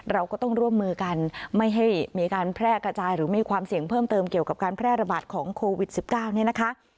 เราก็ต้องร่วมมือกันไม่ให้มีการแพร่กระจายหรือมีความเสี่ยงเพิ่มเติมเกี่ยวกับการแพร่ระบาดของโควิด๑๙เนี่ยนะคะ